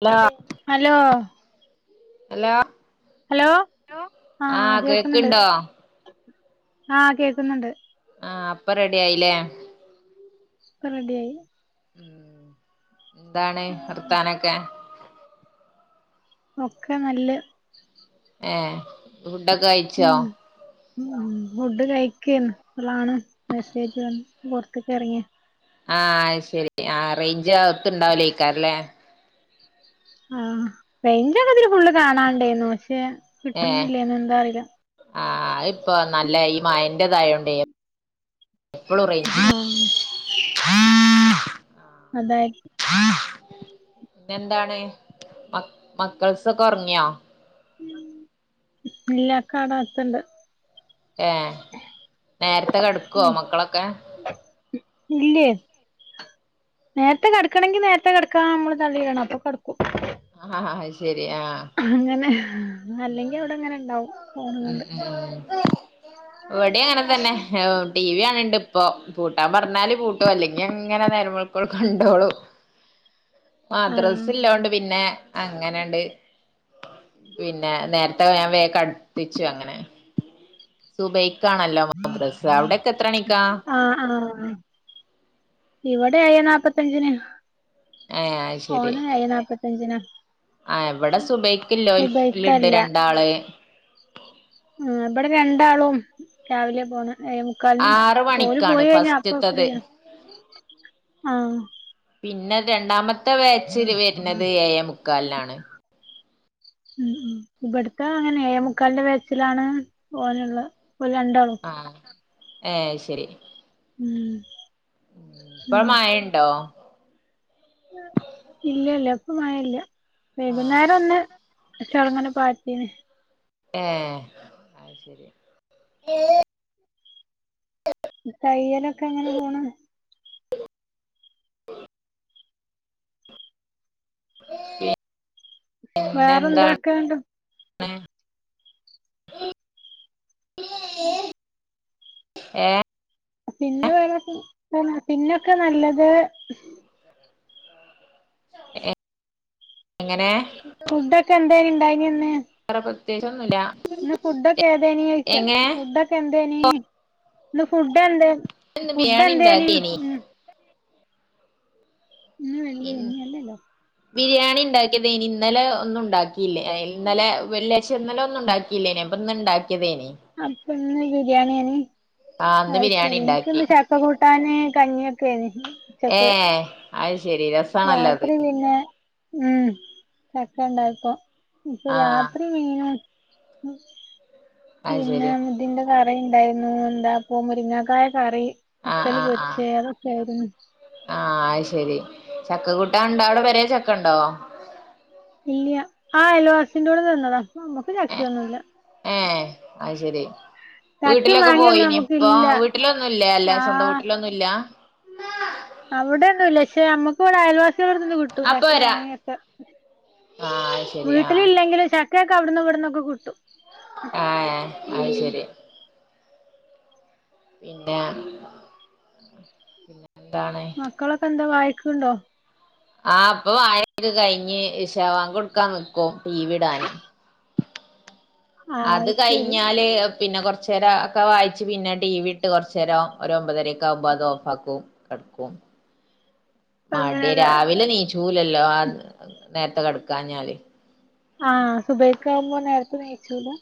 Hello hello. Hello. Hello ആഹ് കേൾക്ക്ണ്ണ്ട് ആഹ് കേക്ക്ണ്ണ്ട്. ആഹ് ഇപ്പ റെഡി ആയില്ലേ? ഇപ്പ റെടിയായി. എന്താണ് വർത്താനൊക്കെ? ഒക്കെ നല്ലത്. ഏ ഫുഡൊക്കെ കഴിച്ചോ? ഉം ഫുഡ് കൈക്കേന്നു അപ്പളാണ് മെസ്സേജ് വന്ന് പുറത്തേക്കിറങ്ങിയത്. ആഹ അയ് ശരി ആ അറേഞ്ച് അകത്ത്ണ്ടാവുലേക്കാരുല്ലേ? ആഹ റെയ്ഞ്ചൊ കെ ഇതിൽ ഫുള്ള് കാണാണ്ടേന്നു പക്ഷേ കിട്ടുന്നില്ലേന്നു എന്താ അറിയില്ല. ആ ഇപ്പൊ നല്ല ഈ മയ തായോണ്ട റൈഞ്ച ആഹ് അതായത് എന്താണ് മക്കൾസൊക്കെ ഒ റങ്ങിയോ ഇല്ലക്കണോ അകത്ത് ണ്ട് ഏ നേരത്തെക്കെടുക്കോ മക്കളൊക്കെ ഇല്ലെയ് നേരത്തെ കടക്കണെങ്കിൽ നേരത്തെ കടക്കാ നമ്മള് തള്ളിഇടണം അപ്പ കടക്കും ആഹ് ആ ശരി ആ അങ്ങനെ അല്ലെങ്കിൽ അവിടെ ഇങ്ങനെ ഇണ്ടാവും ഫോണ് കണ്ട് [inaudible] ഇവിടെ അങ്ങനെ തന്നെ ടിവി ആണിണ്ട് ഇപ്പൊ പൂട്ടാൻ പറഞ്ഞാല് പൂട്ടും അല്ലെങ്കിൽ അങ്ങനെ നേരം വെളി ഇപ്പോൾ കണ്ടോളും ആഹ് മദ്രസ് ഇല്ലതോണ്ട് പിന്നെ അങ്ങനെയണ്ട് പിന്നെ നേരത്തെ ഞാൻ വേ കടുപ്പി ച്ചു അങ്ങനെ സുബൈക്കാണല്ലോ മദ്രസ് അവിടൊക്കെ എത്ര മണിക്കാ ആഹ് ആഹ് ഇവിടെ ഏ യെ നാപത്തഞ്ചിന് ഏഹ് അത് ഓന എയെ നാപ്പത്തി നപ്പത്തഞ്ജിന ആ ഇവിടെ സുബൈക്ക് ലോല് ണ്ട് സുബൈക്കല്ല രണ്ടാള് ആ ഇവിടെ രണ്ടാളും രാവിലെ പോണ ക്കാലിന് ആറ് ഓല് മണിക്കാണ് പോയി കഴിഞ്ഞാ അപ്പ ഫസ്റ്റ്ത്തത് ഫ്രീയ ആഹ പിന്നെ രണ്ടാമത്തെ വേച്ച് ര് വരുന്നത് ഏ എ മുക്കാലിനാണ് ഉം ഉം ഇബടുക്കാ അങ്ങനെഎഴേ മുക്കാലിന്റെ വെ ച്ചിലാണ് ഓനുള്ളത് ഒല് രണ്ടാളും ആ ഏ ശരി ഉം ഇപ്പ ഉം മയണ്ടോ ഇല്ല ഇല്ല ഇപ്പ മയല്ല വൈകുന്നേര ആഹ് ഒന്ന് പഷേ അവിടങ്ങനെ പാറ്റീന് ഏ അഹ് ശരി തയ്യലൊക്കെ എങ്ങനെ പോണ് [inaudible] [inaudible] പിന്നെ എന്താണ് വേറെന്താക്കണ്ട് [inaudible] ഏ പിന്നെ പിന്നൊക്കെ നല്ലത് എങ്ങനെ ഫുഡൊക്കെ എന്തെ ഉണ്ടായിന്ന് വേറെ പ്രത്യേകിച്ച് ഒന്നുല്ല ഇന്ന് ഫുഡൊക്കെ ഏതേനീ ചോയ്ച്ച ഫുഡൊക്കെ എന്തേനി ഇന്ന് ഫുഡ് എന്തെ ഇന്ന് ഫുഡ് ബിരിയാണി എന്തേനീ ഇണ്ടാക്കേനി ഉം ഇന്ന് വെള്ളി ഇനിയല്ലല്ലോ ബിരിയാണി ഉണ്ടാക്കിയതെനി ഇന്നലെ ഒന്നും ഉണ്ടാക്കിയില്ല ഇന്നലെ വെള്ളിയാഴ്ച ഇന്നലെ ഒന്നു ഉണ്ടാക്കി ഇല്ലേന അപ്പൊ ഇന്ന് ഉണ്ടാക്കിയതേനി അപ്പഇന്ന് ബിരിയാണിയാണ് ആഹ് ഇന്ന് അത് ബിരിയാണി ശെരി ഇണ്ടാക്കി എനിക്കിന്ന് ചക്ക കൂട്ടാന് കഞ്ഞിയൊക്കേനി ഉച്ചക്ക് ഏഹ് അത് ശെരി രസാണല്ലോ അത് രാത്രി പിന്നെ ഉം ചക്കണ്ടായപ്പോ ഇപ്പ ആഹ് രാത്രി മീനും അത് പിന്നെ ശരി ഇതിന്റെ കറിണ്ടായിന്നു എന്താപ്പോ മുരിങ്ങാക്കായ കറി ആഹ് ബത്തല് ആഹ് ആഹ് പൊരിച്ചേ അതൊക്കെയിരുന്നു ആഹ് അത് ശെരി ചക്കക്കൂട്ടാണ്ടോ അവ്ടെ പേരെ ചക്കണ്ടോ ഇല്ല്യ ആഹ് അയൽവാസിന്റോട്ന്ന് തന്നതാ ഇപ്പമ്മക്ക് ചക്കയൊന്നുല്ല ഏഹ് അത് ശെരി ചക്കിം വീട്ടിലൊക്കെ മാങ്ങിയൊന്നും പോയിനി ഇപ്പോ നമുക്കില്ല വീട്ടിലൊന്നുല്ല അല്ല സ്വന്തം ആഹ് വീട്ടിലൊന്നുല്ല അവിടെന്നുല്ല പക്ഷെ നമ്മുക്ക് ഇവടെ അയൽവാ സിളെട്ത്ത്ന്ന് കിട്ടും അപ്പൊ ചക്കിം വരാ മാങ്ങ്യയൊക്കെ ആഹ് അത് ശരി ആഹ് വീട്ടിലില്ലെങ്കിലും ച ക്കയൊക്കെ അവട്ന്നും ഇവട്ന്നൊക്കെ കിട്ടും ഏഹ് അത് ഉം ശരി പിന്നെ പിന്നെ എന്താണ് മക്കളൊക്കെന്താ വായിക്ക്ണ്ടോ ആഹ് ഇപ്പോ വായനൊക്കെ കഴിഞ്ഞ് ഇശാ ബ്ങ്കോട്ക്കാന്ന്ക്കും ടീവിടാന് ആഹ് അത് ശരി കഴിഞ്ഞാല് പിന്നെ കൊറച്ചേരം ഒക്കെ വായിച്ച് പിന്നെ ടിവി ഇട്ട് കൊറച്ചേരം ഒര് ഒമ്പതരെക്കാവുമ്പോ അത് ഓഫാക്കും കട്ക്കും മടി അങ്ങനെല്ലേ രാവിലെ നീച്ചൂലല്ലോ ആഹ് നേരത്തെ കെടക്കാഞ്ഞാല് ആഹ് സുബൈക്കാവുമ്പോ നേരത്തെ നീച്ചൂല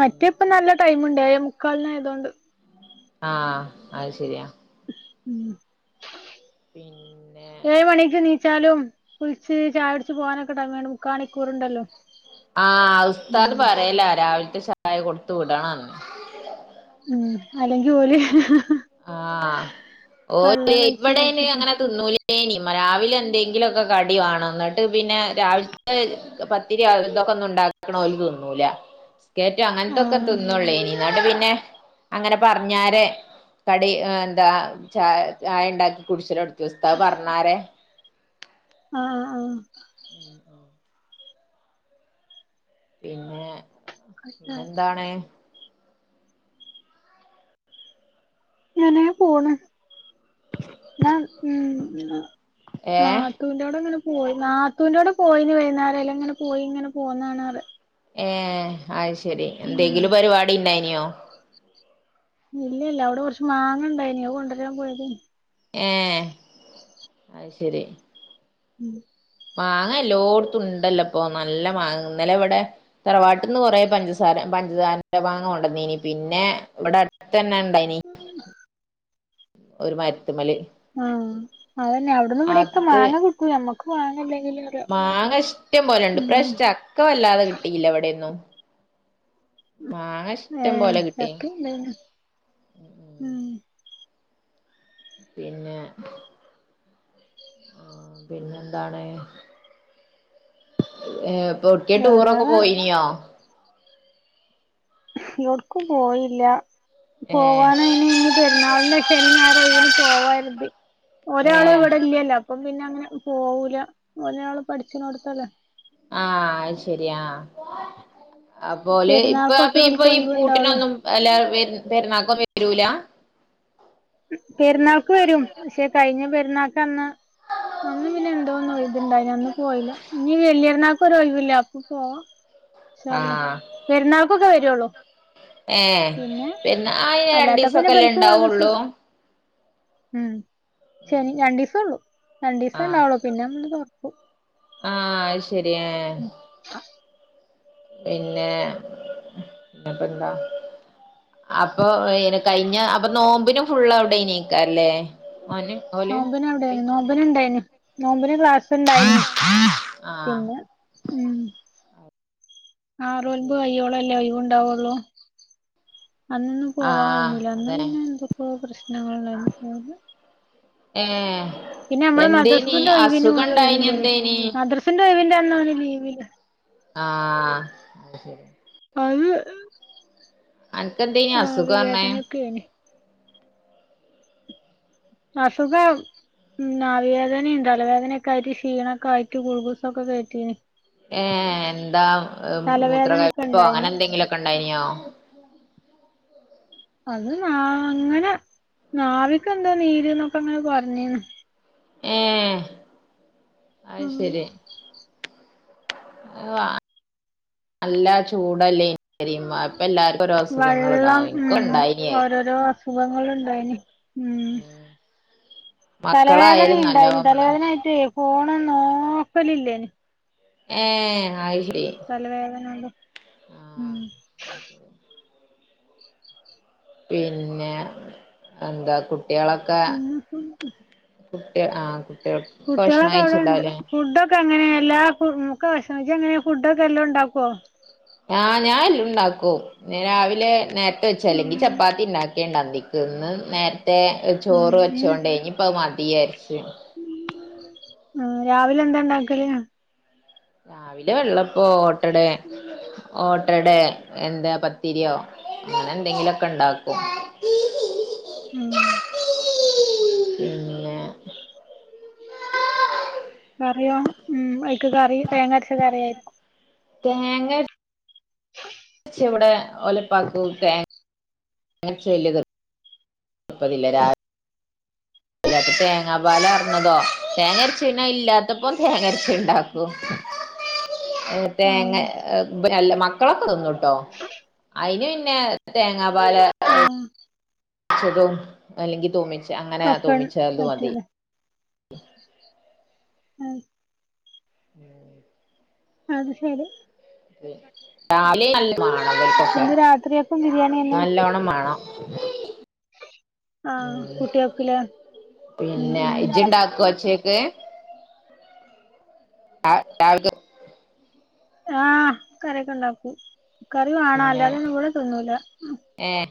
മറ്റേപ്പ നല്ല ടൈമ്ണ്ട് ഏഴേ മുക്കാലിനായതൊണ്ട് ആഹ് അത് ശരിയാ ഉം പിൻ ഏഴ് മണിക്ക് നീച്ചാലും കുളിച്ച് ചായുടിച്ച് പോകാനൊക്കെ ടൈമ്ണ്ട് മുക്കാ മണിക്കൂറ്ണ്ടല്ലോ ആഹ് ഉസ്താദ് പറേല രാവിലത്തെ ചായ കൊടുത്ത് വിടണന്ന് ഉം അല്ലെങ്കിൽ ഓല് ആഹ് ഓല് വെള്ളം കഴിച്ച് ഇവിടെയിന് വിചാരിച്ചിട്ട് അങ്ങനെ തിന്നൂ ലേനി മ രാവിലെ എന്തെങ്കിലൊക്കെ കടിവാണം ഇന്നെട്ട് പിന്നെ രാവിലത്തെ പത്തിരി അതുതൊക്കെ ഒന്നും ഇണ്ടാക്ക്ണ ഓല് തിന്നൂല ബിസ്ക്കേറ്റോ അങ്ങനത്തൊക്കെ ആഹ് തിന്നോള്ളേനി ഇന്നെട്ട് പിന്നെ അങ്ങനെ പറഞ്ഞാരെ കടി എന്താ ച ചായ ഇണ്ടാക്കി കുടിച്ചലൊട്ത്തി ഉസ്താദ് പറഞ്ഞാര ആഹ് ആഹ് ഉം ഉം പിന്നെ പിന്നെന്താണ് ഇങ്ങനെ പോണ് ഇന്നാ ഉം ഇന്നാ നാ ഏഹ് ത്തൂന്റോടെ ഇങ്ങനെ പോയി നാത്തൂന്റോടെ പോയിനി വൈന്നാരം അയിലെങ്ങനെ പോയിങ്ങനെ പോന്നാണ്റ്യാ ഏഹ് അത് ശെരി ഉം എന്തെങ്കിലും പരിപാടിണ്ടായിന്യോ ഇല്ല ഇല്ല അവ്ടെ കൊറച്ച് മാങ്ങണ്ടായിനി അത് കൊണ്ടരാൻ പോയതേനി ഏഹ് അത് ശെരി ഉം മാങ്ങ എല്ലോട്ത്തും ഉണ്ടല്ലോ ഇപ്പോ നല്ല മാങ്ങ ഇന്നലെവടെ തറവാട്ട്ന്ന് കൊറേ പഞ്ചസാര പഞ്ചസാരന്റെ മാങ്ങ കൊണ്ടന്നീനി പിന്നെ ഇബടെ അട് ത്തന്നെ ഇണ്ടായിനി ഉ [inaudible] ഒര് മരത്ത്മ്മല് ആഹ് അതന്നെ അവിട്ന്ന് ഇവിടെക്കെ മാങ്ങ കിട്ടും ഞമ്മക്ക് മാങ്ങല്ലെങ്കിലുറ്യാ ഇഷ്ട്ടം പോലെണ്ട് ഇപ്രാശ്യം ചക്ക വല്ലാതെ കിട്ടിയില്ല ഇവിടെന്നും മാങ്ങഷ് ഏഹ് ചക്ക ഇണ്ടായിനു ഉം പിന്നെ ആഹ് പിന്നെന്താണ് ഏഹ് പൊട്ക്കെ വേറെ ടൂറോക്കെപോയിനിയോ ഒട്ക്കും പോയില്ല ഏഹ് പോവാനയിന് ഇഞ് പെരുന്നാളിന് ശനിനായരും ഒഴിവിന് പോവരുതി ഒരാള് ഏഹ് ഇവിടെല്ലല്ലോ അപ്പം പിന്നെ അങ്ങനെ പോവൂല ഒരാള് പഠിച്ണോട്ത്തല്ലേ ആഹ് അഹ് ശെരിയാ അപ്പോല് ഇപ്പ അപ്പൊ പെരുന്നാൾക്കൊക്കെ ഇപ്പൊ ഓൽക്ക് ഈ ഒഴിവുണ്ടാവുള്ളു പൂട്ടിനൊന്നും എല്ലാ പെരുന്നാക്കോ വരൂല പെരുന്നാൾക്ക് വരും പക്ഷെ കഴിഞ്ഞ പെരുന്നാൾക്കഅന്ന് അന്ന് പിന്നെ എന്തോന്നോ ഇത്ണ്ടായിനി അന്ന്പോയില്ല ഇഞ്ഞി വല്യര്ന്നാ ഇപ്പരു ഒഴിവില്ല അപ്പ പോ ഇൻഷാഅള്ളാ ആഹ് പെരുന്നാൾക്കൊക്കെ വരുള്ളൂ ഏഹ് പിന്നെ അയിന് അല്ലാത്തപ്പോന്നെ രണ്ടീസൊക്കെല്ലേ ഇബൽക്ക് മദ്രസ് ഇണ്ടാവുള്ളൂ ഉം ശനി ഉം രണ്ടീസൊള്ളൂ ആഹ് രണ്ടീസംണ്ടാവളൂ പിന്നെ നമ്മള് തൊർക്കും ആഹ് അഹ്ശരി ഏഹ് അ പിന്നെ എന്നിട്ടഎന്താ അപ്പോ കഴിഞ്ഞ അപ്പൊ നോമ്പിനും ഫുള്ള് അവിടെനെക്കാരാല്ലേ നോമ്പ്ന് അവിടെനി നോമ്പിനിണ്ടായിന് നോമ്പ്ന് ക്ലാസ്ണ്ടായിനി ആഹ് ഉം അത് ആറോൽമ്പ് ശരി കയ്യോളല്ലേ ഒയിവുണ്ടാവൊള്ളൂ അന്നൊന്നും പോവാൻ ആഹ് കഴിഞ്ഞില്ല അന്ന് അതന്നെ പിന്നെ എന്തൊക്കൊപ്രശ്നങ്ങള്ണ്ടയിനി ഏഹ് പിന്നെമ്മള് എന്തേനി മദ്രസിലെ ഒയിവിന് അസുഖണ്ടായിനി ഓന്ഒഴില്ലേനി എന്തേനി മദ്രസിന്റെ ഒഴിവിന്റെന്നോന് ഓൻ ലിവില് ആഹ് അഹ് ശരി അത് ക്കെന്തേനി അസുഖംന്നെ ക്കേനി അസുഖം ഉം നാവിവേദനിം തലവേദനൊക്കായിട്ട് ഷീണൊക്കെ ആയിട്ട് ഗുൾഗൂസൊക്കെകേറ്റീനി ഏഹ് എന്താ തലവേദനൊക്കെ മൂത്രകയിപ്പെ അങ്ങനെ ഇണ്ടായിന് എന്തെങ്കിലൊക്കെണ്ടായിനോ അത് നാ അങ്ങനെ നാവിക്കന്തോ നീര്ന്നൊക്കെങ്ങനെ പറഞീനി ഏഹ് അഹ് ഉം ശരി അത് വാ നല്ലചൂടല്ലേ ശരിമ്മ ഇപ്പ എല്ലാർക്കും ഓരെ അസുഖങ്ങള്ണ്ടാവും ഇനിക്കണ്ടായിനി അഹ് ഒരോഅസ് സുഖങ്ങള്ണ്ടായിനി പിന്നെ തലവേദനിണ്ടായിന് നല്ലോം തലവേദനആയിട്ടേ ഫോണ്നോക്കലില്ലേന് ഏഹ് തലവേദനോണ്ട് ഉം ഉ പിന്നെ എന്താ കുട്ടിളൊ [unintelligible] കുട്ടി ആ കുട്ട്യേൾ ഭഷ്ണംകയ്ച്ച്ണ്ടാവുലെ ഫുഡക്കെ എങ്ങനെ എല്ലാ ക്കു ഭക്ഷണംകയിച് ഇജ്എങ്ങനെ ഫുഡൊക്കെല്ലാണ്ടാക്കുവോ ആഹ് ഞാഎല്ലുംണ്ടാക്കും രാവിലെ നേര്ത്തെവെച്ച അല്ലെങ്കിൽ ഉം ചപ്പാത്തിണ്ടാക്കും പ്പീണ്ടന്തിക്ക്‌ ഇന്ന് നേരത്തെ ചോറ് ഉം വെച്ചോണ്ട് ഇന്നിപ്പ അഹ് മതിയാര്ച്ച് ആഹ് രാവിലെന്താണ്ടാക്കല് രാവിലെ വെള്ളപ്പോ ഓട്ടടെ ഓട്ടടെ എന്താ പത്തിരിയോ അങ്ങനെ എന്തെങ്കിലും ഒക്കെ ഇണ്ടാക്കും ആഹ് ഉം കറിയോ ഉം അതിക്ക് കറി തേങ്ങ അരച്ച കറിയായിരുരിക്കും തേങ്ങര ഇവിടെ ഒലപ്പാക്ക് തേങ്ങ [unintelligible] ഇല്ലാത്ത തേങ്ങാ പാല് പാർന്നതോ തേങ്ങരച്ചത് പിന്നെ അത് ഇല്ലാത്തപ്പ തേങ്ങ അരച്ചത് ഉണ്ടാക്കൂ [inaudible] തേങ്ങ ആഹ് മക്കളൊക്കെ തിന്നൂട്ടോ അതിന് പിന്നെ തേങ്ങാ പാൽ ആഹ് ച്ചതും അല്ലെങ്കിൽ തുമിച്ച അങ്ങനെ തുമിച്ചും മതി ഉം ഉം അത് ശരി കറി നല്ലോണം വേണം ഇവൽക്കൊക്കെ ഇന്ന് രാത്രിയക്കും ബിരിയാണി തന്നെ നല്ലോണം [unintelligible] ആഹ് കുട്ടികൾക്കില്ലേ ഉം പിന്നെ ഉം ഇജ്ടാക്കോ ഉച്ചേക്ക് ആഹ് [unintelligible] ആഹ് കറിക്കെ ഉണ്ടാക്കും കറി വേണം പിന്നെ അല്ലാതെ ഒന്നും ഇവൾ തിന്നൂല ഏഹ്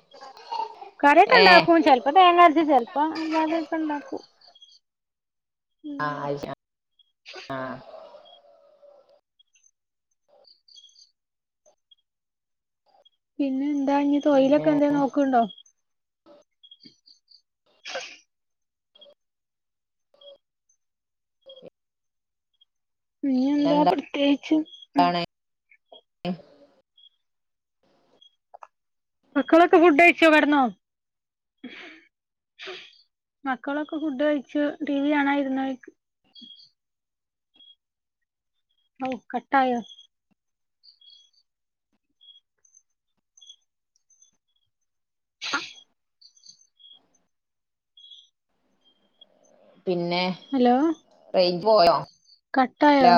കറിഒക്കെ ഏഹ് ഉണ്ടാക്കും ചെലപ്പോ തേങ്ങ അരച്ച ചെലപ്പോ അല്ലാതെ ഒക്കെ ഉണ്ടാക്കും ഉം ആഹ് അയിഷ ആഹ് പിന്നെ എന്താ ഇഞ്ഞ് പിന്നെ തൊഴിലൊക്കെ എന്തെലും നോക്ക്ണ്ടോ പിന്നെന്താ പിന്നെന്താണ് പ്രത്യേകിച്ച് മക്കളൊക്കെ ഫുഡ് കഴിച്ചോ കടന്നോ മക്കളൊക്കെ ഫുഡ് കഴിച്ചു ടി വി കാണാൻ ഇരുന്നു ഓ കട്ടായോ പിന്നെ ഹലോ റേഞ്ച് പോയോ കട്ടായോ ഹലോ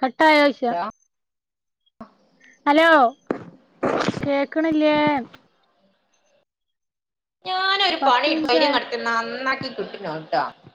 കട്ടായോ ചോയ്ച്ച ഹലോ ഹലോ കേക്ക്ണില്ലേ പത്ത് മിനിറ്റ് ആയോ [unintelligible]